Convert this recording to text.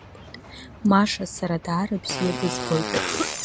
Маша, сара даара бзиа бызбоит.